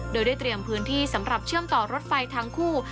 โดยได้เตรียมพื้นที่สำหรับเชื่อมต่อรถไฟทั้งคู่